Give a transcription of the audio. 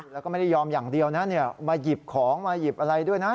แล้วก็ไม่ได้ยอมอย่างเดียวนะมาหยิบของมาหยิบอะไรด้วยนะ